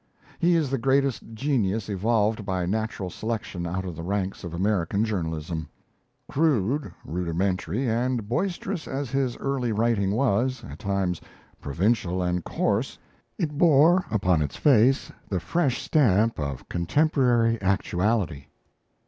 He is the greatest genius evolved by natural selection out of the ranks of American journalism. Crude, rudimentary and boisterous as his early writing was, at times provincial and coarse, it bore upon its face the fresh stamp of contemporary actuality.